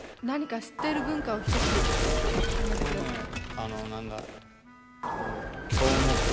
何か知っている軍歌を一つあげてくださいそうね